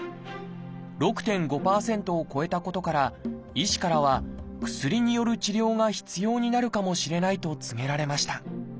６．５％を超えたことから医師からは薬による治療が必要になるかもしれないと告げられました。